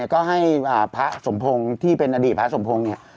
ก็ให้พระสมพงศ์ที่เป็นอดีตพระสมพงศ์เนี่ย